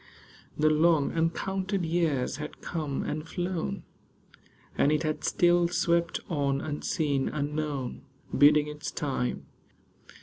The long, uncounted years had come and flown, And it had still swept on, unseen, unknown, Biding its time.